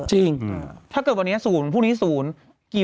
ใครเตรียมชุดไก่